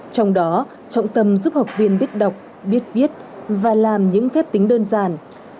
trong đó trọng tâm giúp học viên biết đọc biết viết và làm những phép tính đơn giản